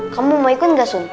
kamu mau ikut nggak asun